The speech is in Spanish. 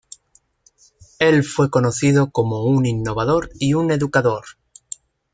Él fue conocido como un innovador y un educador.